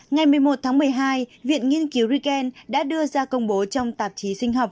ngày một mươi một tháng một mươi hai viện nghiên cứu riken đã đưa ra công bố trong tạp chí sinh học